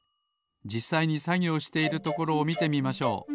じっさいにさぎょうしているところをみてみましょう。